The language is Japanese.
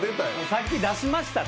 さっき出しましたって。